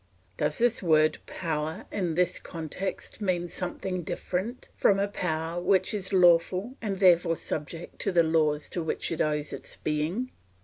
Does this word power in this context mean something different from a power which is lawful and therefore subject to the laws to which it owes its being?